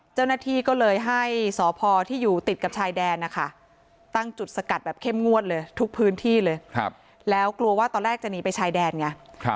เจ้าหน้าที่ก็เลยให้สพที่อยู่ติดกับชายแดนนะคะตั้งจุดสกัดแบบเข้มงวดเลยทุกพื้นที่เลยแล้วกลัวว่าตอนแรกจะหนีไปชายแดนไง